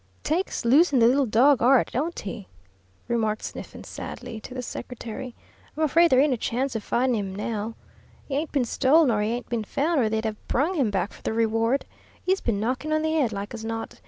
"Takes losin' the little dog 'ard, don't he?" remarked Sniffen, sadly, to the secretary. "I'm afraid there ain't a chance of findin' 'im now. 'E ain't been stole, nor 'e ain't been found, or they'd 'ave brung him back for the reward. 'E's been knocked on the 'ead, like as not.